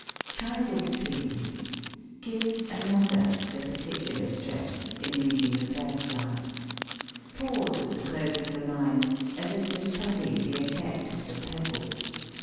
Try this treatment: Give "another" the particular stress in reading the first line. Pause at the close of the line as if to study the effect of the pebble.